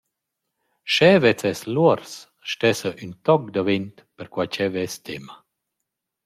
Sch’eu vezzess l’uors, stessa ün toc davent perquai ch’eu vess temma.